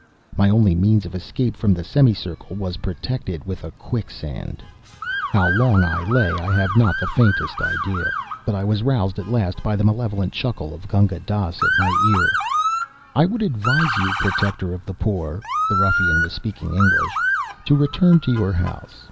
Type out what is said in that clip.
My only means of escape from the semicircle was protected with a quicksand! How long I lay I have not the faintest idea; but I was roused at last by the malevolent chuckle of Gunga Dass at my ear "I would advise you, Protector of the Poor" (the ruffian was speaking English) "to return to your house.